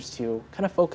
untuk fokus pada hal itu